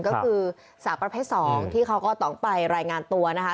ก็คือสาวประเภท๒ที่เขาก็ต้องไปรายงานตัวนะคะ